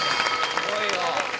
すごいわ。